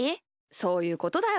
そういうことだよ。